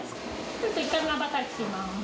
ちょっと一回まばたきします